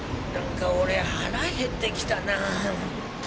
何か俺腹減ってきたな。